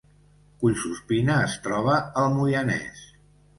Collsuspina es troba al Moianès